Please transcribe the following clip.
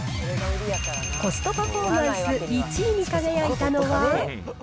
コストパフォーマンス１位に輝いたのは。